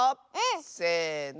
せの。